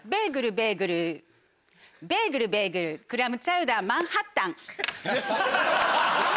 ベーグルベーグルクラムチャウダーマンハッタン！